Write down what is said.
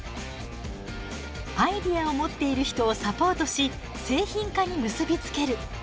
アイデアを持っている人をサポートし製品化に結び付ける。